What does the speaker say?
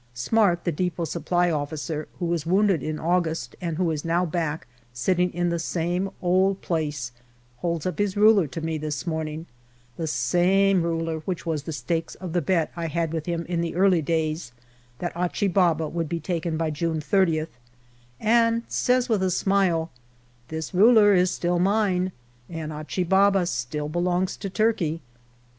Smart, the depot Supply Officer, who 312 GALLIPOLI DIARY was wounded in August and who is now back sitting in the same old place, holds up his ruler to me this morning, the same ruler which was the stakes of the bet I had with him in the early days, that Achi Baba would be taken by June soth, and says with a smile, " This ruler is still mine, and Achi Baba still belongs to Turkey."